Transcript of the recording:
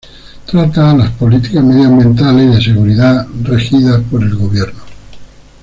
Trata las políticas medioambientales y de seguridad regidas por el gobierno.